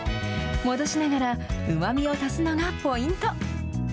戻しながら、うまみを足すのがポイント。